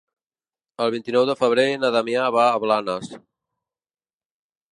El vint-i-nou de febrer na Damià va a Blanes.